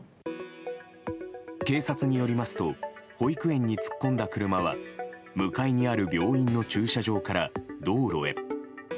警察によりますと保育園に突っ込んだ車は向かいにある病院の駐車場から道路へ。